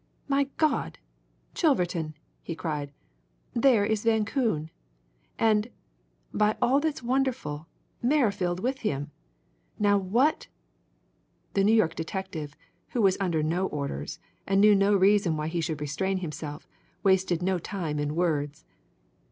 "My God, Chilverton!" he cried. "There is Van Koon! And, by all that's wonderful, Merrifield with him. Now what " The New York detective, who was under no orders, and knew no reason why he should restrain himself, wasted no time in words.